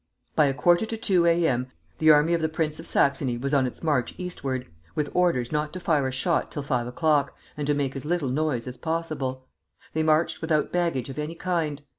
"By a quarter to two A. M. the army of the Prince of Saxony was on its march eastward, with orders not to fire a shot till five o'clock, and to make as little noise as possible. They marched without baggage of any kind.